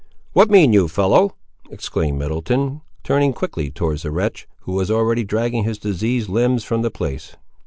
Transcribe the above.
"What mean you, fellow?" exclaimed Middleton, turning quickly towards the wretch, who was already dragging his diseased limbs from the place.